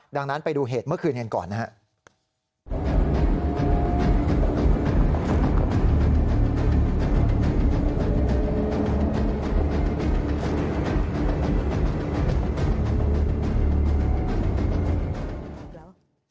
ดังนั้นไปดูเหตุเมื่อคืนกันก่อนนะครับ